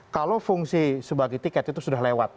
kalau fungsi sebagai tiket itu sudah lewat